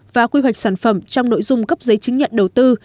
và quy hoạch sản phẩm trong nội dung cấp giấy chứng nhận đầu tư